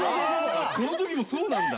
この時もそうなんだ。